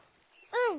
うん。